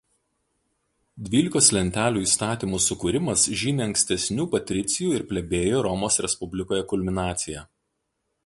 Dvylikos lentelių įstatymų sukūrimas žymi ankstesnių patricijų ir plebėjų Romos Respublikoje kulminaciją.